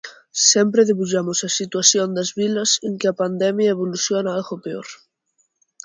Sempre debullamos a situación das vilas en que a pandemia evoluciona algo peor.